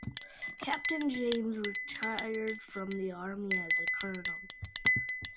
Captain James retired from the army as a colonel.